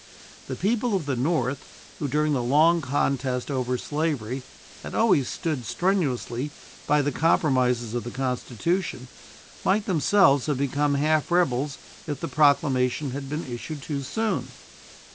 The people of the North, who during the long contest over slavery had always stood strenuously by the compromises of the Constitution, might themselves have become half rebels if this proclamation had been issued too soon.